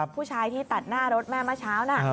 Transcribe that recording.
ผู้ชายที่ตัดหน้ารถแม่เมื่อเช้าน่ะ